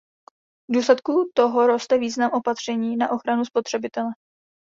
V důsledku toho roste význam opatření na ochranu spotřebitele.